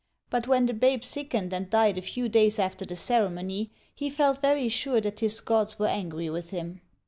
But when the babe sickened and died a few days after the ceremony, he felt very sure that his gods were angry with him.